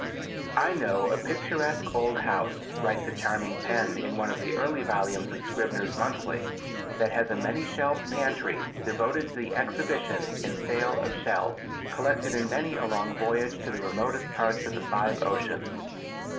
] I know a picturesque old house [writes a charming pen in one of the early volumes of "Scribner's Monthly"] that has a many shelved pantry devoted to the exhibition and sale of shells, collected in many a long voyage to the remotest parts of the five oceans.